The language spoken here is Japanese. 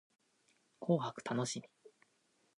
紅白楽しみ